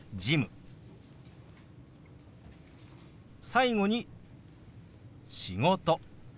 最後に「仕事」。